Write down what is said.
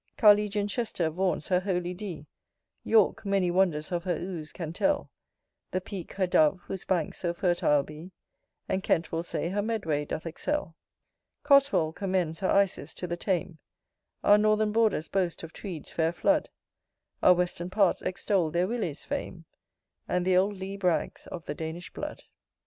Carlegion Chester vaunts her holy Dee; York many wonders of her Ouse can tell; The Peak, her Dove, whose banks so fertile be, And Kent will say her Medway doth excel: Cotswold commends her Isis to the Tame: Our northern borders boast of Tweed's fair flood; Our Western parts extol their Willy's fame, And the old Lea brags of the Danish blood.